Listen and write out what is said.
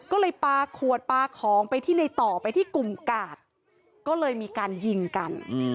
ก็เลยปลาขวดปลาของไปที่ในต่อไปที่กลุ่มกาดก็เลยมีการยิงกัน